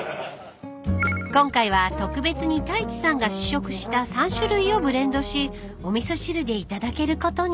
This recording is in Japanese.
［今回は特別に太一さんが試食した３種類をブレンドしお味噌汁で頂けることに］